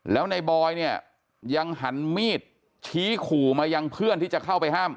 แล้วในบอยเนี่ยยังหันมีดชี้ขู่มายังเพื่อนที่จะเข้าไปห้าม